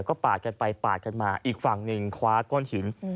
ก็ปาดกันไปปาดกันมาอีกฝั่งหนึ่งคว้าก้อนหิน